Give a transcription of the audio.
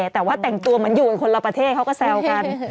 แต่ว่าแต่งตัวเหมือนอยู่กันคนละประเทศเขาก็แซวกัน